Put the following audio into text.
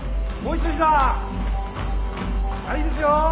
いいですよ。